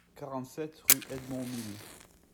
quarante-sept rue Edmond Mille